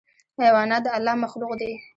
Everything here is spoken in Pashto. حیوانات د الله مخلوق دي.